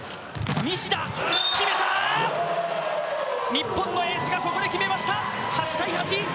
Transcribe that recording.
日本のエースがここで決めました。